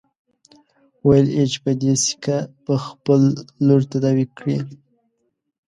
ويل يې چې په دې سيکه به خپله لور تداوي کړي.